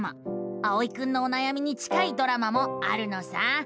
あおいくんのおなやみに近いドラマもあるのさ。